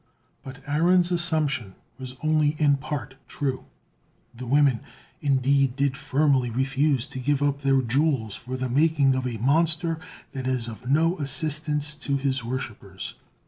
But Aaron's assumption was only in part true; the women indeed did firmly refuse to give up their jewels for the making of a monster that is of no assistance to his worshippers.